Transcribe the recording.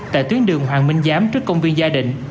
tại tuyến đường hoàng minh giám trước công viên gia đình